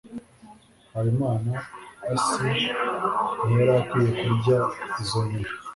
Habimanaasi ntiyari akwiye kurya izo nyoni.